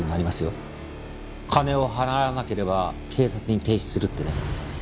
金を払わなければ警察に提出するってね。